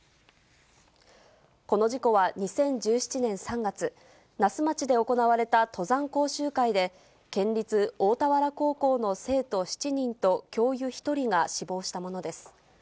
この事故は２０１７年３月、那須町で行われた登山講習会で、県立大田原高校の生徒７人と教諭１人が死亡したものです。